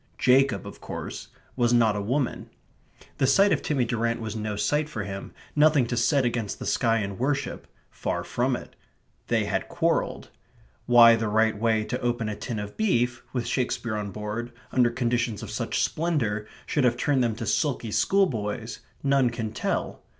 Jacob, of course, was not a woman. The sight of Timmy Durrant was no sight for him, nothing to set against the sky and worship; far from it. They had quarrelled. Why the right way to open a tin of beef, with Shakespeare on board, under conditions of such splendour, should have turned them to sulky schoolboys, none can tell.